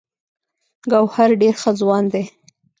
ګوهر ډې ښۀ ځوان دی